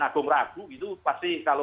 agung ragu gitu pasti kalau